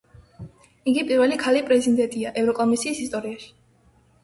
იგი პირველი ქალი პრეზიდენტია ევროკომისიის ისტორიაში.